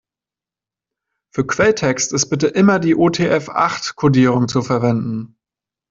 Für Quelltext ist bitte immer die UTF-acht-Kodierung zu verwenden.